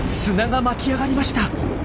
砂が巻き上がりました。